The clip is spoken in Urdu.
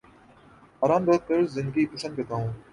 آرام دہ طرز زندگی پسند کرتا ہوں